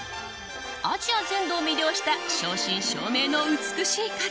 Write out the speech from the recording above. アジア全土を魅了した正真正銘の美しい彼。